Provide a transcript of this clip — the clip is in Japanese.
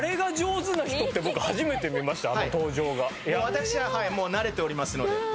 私ははいもう慣れておりますので。